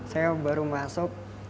saya baru masuk